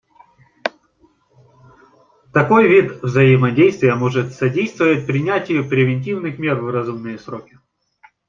Такой вид взаимодействия может содействовать принятию превентивных мер в разумные сроки.